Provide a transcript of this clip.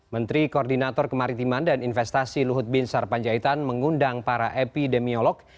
menteri koordinator kemaritiman dan investasi luhut bin sarpanjaitan mengundang para epidemiolog